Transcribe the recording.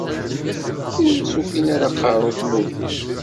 Ur as-ufin ara aqerru i tmurt-a.